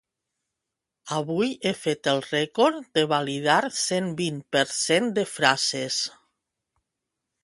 Avui he fet el rècord de validar cent vint per cent de frases.